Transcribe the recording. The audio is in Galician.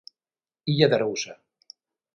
Illa de Arousa.